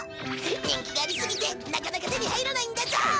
人気がありすぎてなかなか手に入らないんだぞー！